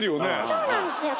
そうなんですよ。